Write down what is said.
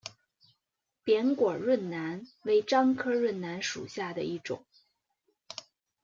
扁果润楠为樟科润楠属下的一个种。